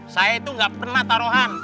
saya itu nggak pernah taruhan